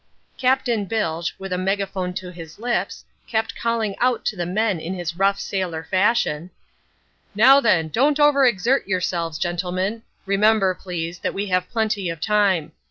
Captain Bilge, with a megaphone to his lips, kept calling out to the men in his rough sailor fashion: "Now, then, don't over exert yourselves, gentlemen. Remember, please, that we have plenty of time.